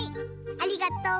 ありがとう。